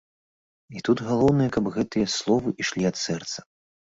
І тут галоўнае, каб гэтыя словы ішлі ад сэрца.